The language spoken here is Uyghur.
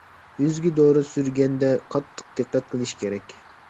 يۈزگە دورا سۈركىگەندە قاتتىق دىققەت قىلىش كېرەك.